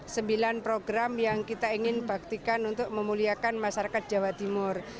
sembilan program yang kita ingin baktikan untuk memuliakan masyarakat jawa timur